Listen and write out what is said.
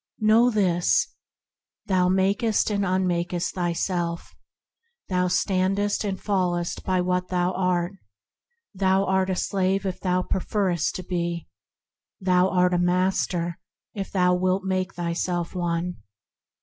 Know this: Thou makest and unmakest thyself; thou standest and fallest by what thou art. Thou art a slave if thou preferrest to be; thou art a master if thou wilt make thyself one.